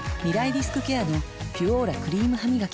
リスクケアの「ピュオーラ」クリームハミガキ